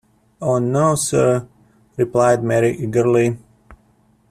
‘Oh, no, Sir,’ replied Mary eagerly.